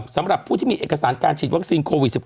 สำหรับผู้ที่มีเอกสารการฉีดวัคซีนโควิด๑๙